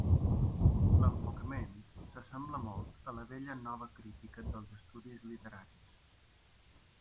L'enfocament s'assembla molt a la vella nova crítica dels estudis literaris.